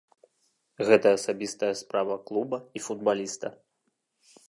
Гэта асабістая справа клуба і футбаліста.